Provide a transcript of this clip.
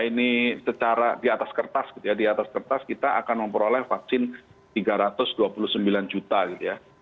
ini secara di atas kertas gitu ya di atas kertas kita akan memperoleh vaksin tiga ratus dua puluh sembilan juta gitu ya